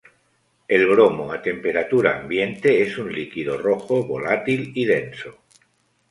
El bromo a temperatura ambiente es un líquido rojo, volátil y denso.